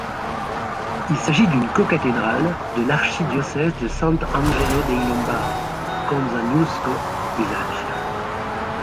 Il s'agit d'une cocathédrale de l'archidiocèse de Sant'Angelo dei Lombardi-Conza-Nusco-Bisaccia.